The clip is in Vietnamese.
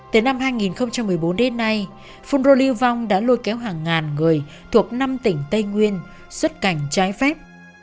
từ năm hai nghìn một mươi bốn đến nay phun rô lưu vong đã lôi kéo hàng ngàn người thuộc năm tỉnh tây nguyên xuất cảnh trái phép